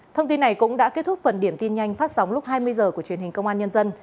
thông tin này cũng đã kết thúc phần điểm tin nhanh phát sóng lúc hai mươi h của truyền hình công an nhân dân